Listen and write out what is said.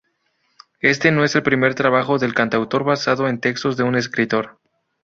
Este no es el primer trabajo del cantautor basado en textos de un escritor.